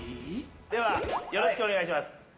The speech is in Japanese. では、よろしくお願いします。